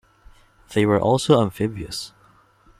They were also amphibious.